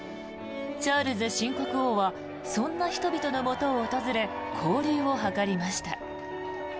チャールズ新国王はそんな人々のもとを訪れ交流を図りました。